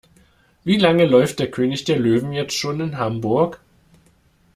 Wie lange läuft König der Löwen jetzt schon in Hamburg?